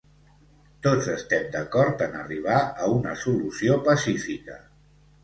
Tots estem d'acord en arribar a una solució pacífica.